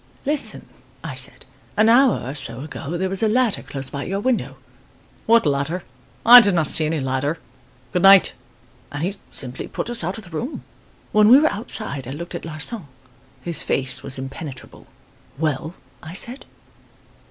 "'Listen,' I said. 'An hour or so ago, there was a ladder close by your window.' "'What ladder? I did not see any ladder. Good night!' "And he simply put us out of the room. When we were outside I looked at Larsan. His face was impenetrable. "'Well?' I said.